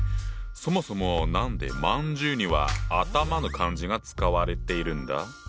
そもそも何で饅頭には「頭」の漢字が使われているんだ？